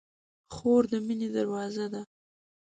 خور د مینې دروازه ده.